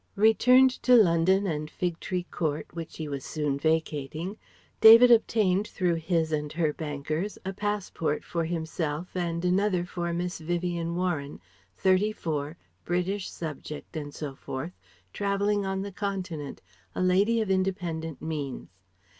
Returned to London and Fig Tree Court which he was soon vacating David obtained through his and her bankers a passport for himself and another for Miss Vivien Warren, thirty four, British subject, and so forth, travelling on the Continent, a lady of independent means.